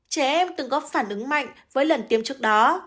trẻ em từng góp phản ứng mạnh với lần tiêm trước đó